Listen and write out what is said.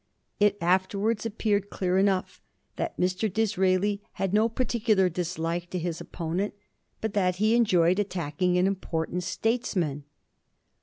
It afterwards appeared clear enough that Mr. Disraeli had no par ticiQar dislike to his opponent, but that he enjoyed attacking an important statesman.